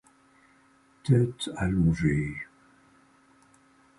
Tête allongée.